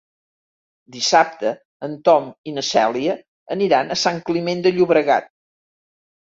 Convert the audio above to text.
Dissabte en Tom i na Cèlia aniran a Sant Climent de Llobregat.